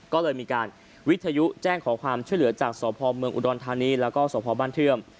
ก็เลยมีการวิทยุแจ้งขอความช่วยเหลือจากสพเมืองอุดรธานีแล้วก็สพบ้านเทื่อม